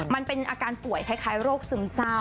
มันเป็นอาการป่วยคล้ายโรคซึมเศร้า